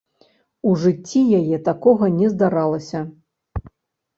У жыцці яе такога не здаралася.